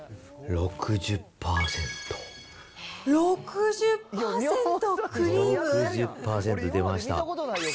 ６０％出ました。